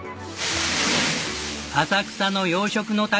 浅草の洋食の匠